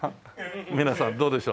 皆さんどうでしょう？